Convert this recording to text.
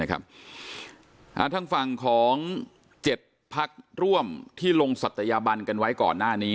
ทางฝั่งของ๗พักร่วมที่ลงศัตยาบันกันไว้ก่อนหน้านี้